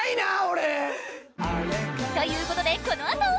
俺。という事でこのあと。